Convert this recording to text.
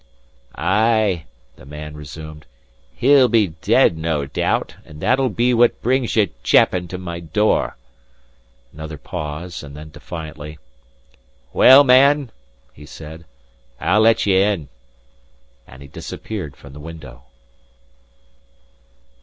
"Ay," the man resumed, "he'll be dead, no doubt; and that'll be what brings ye chapping to my door." Another pause, and then defiantly, "Well, man," he said, "I'll let ye in;" and he disappeared from the window.